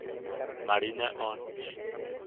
Marine on St.